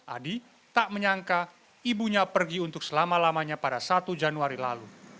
adi tak menyangka ibunya pergi untuk selama lamanya pada satu januari lalu